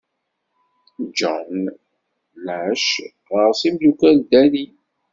John lac ɣers imduččal dani.